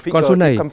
còn số này